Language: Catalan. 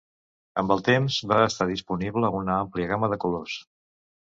Amb el temps, va estar disponible una àmplia gama de colors.